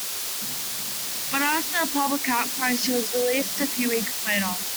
But, after a public outcry she was released a few weeks later.